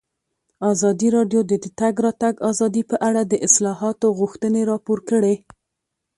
ازادي راډیو د د تګ راتګ ازادي په اړه د اصلاحاتو غوښتنې راپور کړې.